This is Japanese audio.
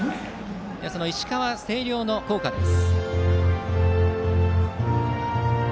石川・星稜の校歌です。